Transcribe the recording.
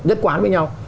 nhất quán với nhau